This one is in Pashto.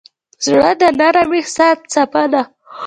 زړه د نرم احساس څپه ده.